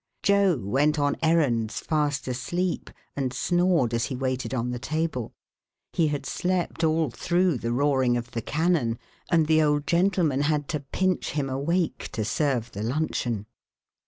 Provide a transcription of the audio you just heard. Joe went on errands fast asleep and snored as he waited on the table. He had slept all through the roaring of the cannon and the old gentleman had to pinch him awake to serve the luncheon.